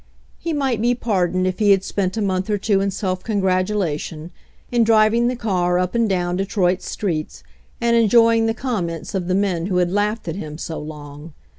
He might be pardoned if he had spent a month or two in self congratulation, in driving the car up and down Detroit's streets and enjoying the comments of the men who had laughed at him so long.